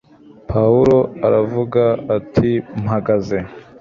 Pawulo aravuga ati mpagaze